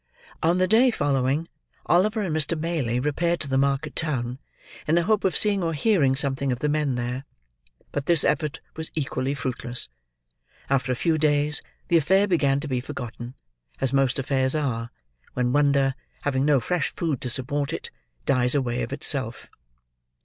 On the day following, Oliver and Mr. Maylie repaired to the market town, in the hope of seeing or hearing something of the men there; but this effort was equally fruitless. After a few days, the affair began to be forgotten, as most affairs are, when wonder, having no fresh food to support it, dies away of itself.